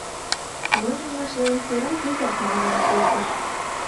Нойымыжлан кӧра вигак мален колтыш.